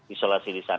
isolasi di sana